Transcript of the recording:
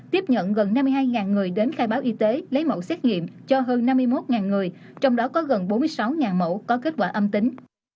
tiếp nhận gần năm mươi hai người đến khai báo y tế lấy mẫu xét nghiệm cho hơn năm mươi một người trong đó có gần bốn mươi sáu mẫu có kết quả âm tính